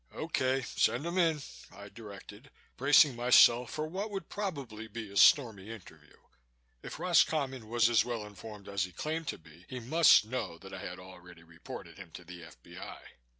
"Okay, send him in," I directed, bracing myself for what would probably be a stormy interview. If Roscommon was as well informed as he claimed to be, he must know that I had already reported him to the F.B.I.